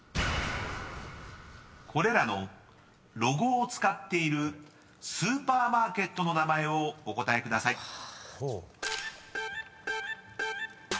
［これらのロゴを使っているスーパーマーケットの名前をお答えください］